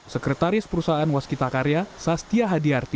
sekretaris perusahaan waskita karya sastia hadiarti